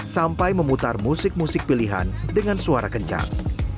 sampai memutar musik musik pilihan dengan suara kencang